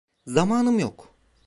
Zamanım yok.